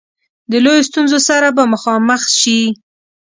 د لویو ستونزو سره به مخامخ سي.